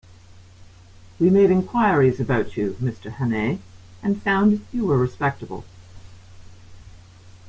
We made inquiries about you, Mr Hannay, and found you were respectable.